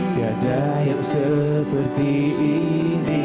tidak ada yang seperti ini